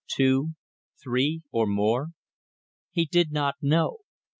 Two three or more? He did not know.